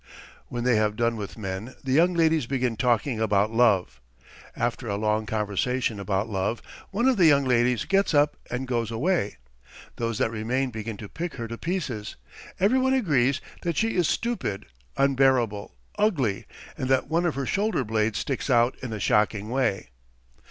When they have done with men, the young ladies begin talking about love. After a long conversation about love, one of the young ladies gets up and goes away. Those that remain begin to pick her to pieces. Everyone agrees that she is stupid, unbearable, ugly, and that one of her shoulder blades sticks out in a shocking way.